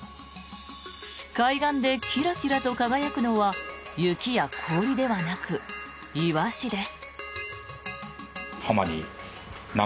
海岸でキラキラと輝くのは雪や氷ではなくイワシです。